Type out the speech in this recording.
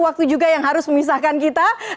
waktu juga yang harus memisahkan kita